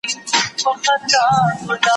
لټي د گناه مور ده.